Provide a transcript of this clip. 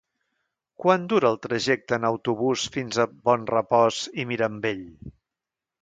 Quant dura el trajecte en autobús fins a Bonrepòs i Mirambell?